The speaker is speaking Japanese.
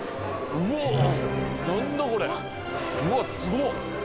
うわすごっ。